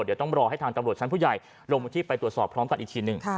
เดี๋ยวต้องรอให้ทางตำรวจชั้นผู้ใหญ่ลงพื้นที่ไปตรวจสอบพร้อมกันอีกทีหนึ่ง